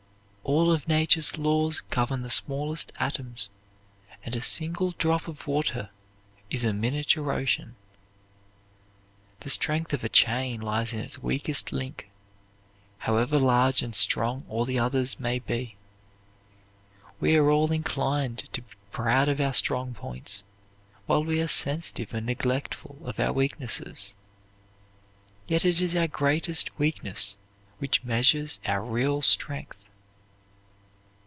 All of nature's laws govern the smallest atoms, and a single drop of water is a miniature ocean. The strength of a chain lies in its weakest link, however large and strong all the others may be. We are all inclined to be proud of our strong points, while we are sensitive and neglectful of our weaknesses. Yet it is our greatest weakness which measures our real strength.